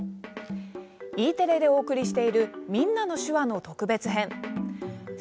Ｅテレでお送りしている「みんなの手話」の特別編。